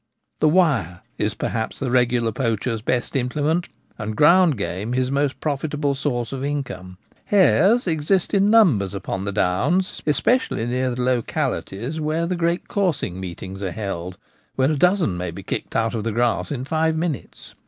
The wire is, perhaps, the regular poacher's best » implement, and ground game his most profitable source of income. Hares exist in numbers upon the downs, especially near the localities where the great coursing meetings are held, where a dozen may be kicked out of the grass in five minutes.